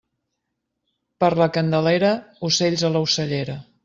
Per la Candelera, ocells a l'ocellera.